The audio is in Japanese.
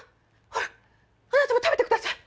ほらあなたも食べて下さい。